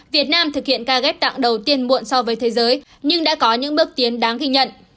việt nam thực hiện ca ghép tạng đầu tiên muộn so với thế giới nhưng đã có những bước tiến đáng ghi nhận